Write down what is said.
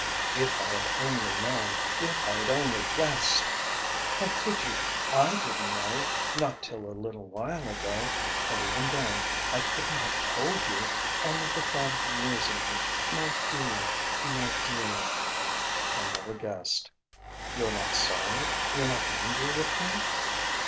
"If I had only known, if I had only guessed !" "How could you? I didn't know ... not till a little while ago.... And even then, I couldn't have told you ... only the thought of losing you ... my dear, my dear!" "I never guessed...." "You're not sorry? You're not angry with me